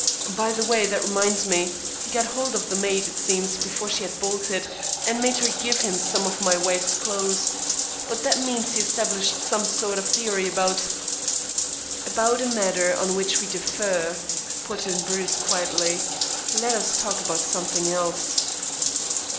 By the way, that reminds me. He got hold of the maid, it seems, before she had bolted, and made her give him some of my wife's clothes. By that means he established some sort of a theory about " "About a matter on which we differ," put in Bruce quietly. "Let us talk of something else."